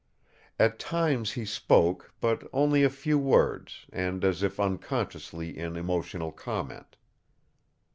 At times he spoke, but only a few words, and as if unconsciously in emotional comment.